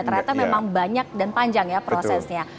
ternyata memang banyak dan panjang ya prosesnya